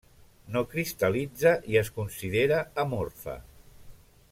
No cristal·litza, i es considera amorfa.